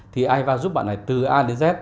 thì aiva giúp bạn này từ a đến z